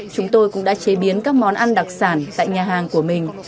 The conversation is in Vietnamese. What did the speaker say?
chúng tôi cũng đã chế biến các món ăn đặc sản tại nhà hàng của mình